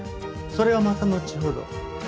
それはまたのちほど。